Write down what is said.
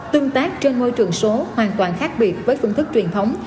tương tác trên môi trường số hoàn toàn khác biệt với phương thức truyền thống